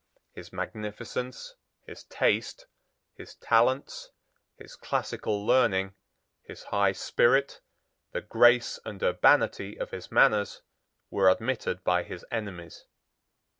His magnificence, his taste, his talents, his classical learning, his high spirit, the grace and urbanity of his manners, were admitted by his enemies.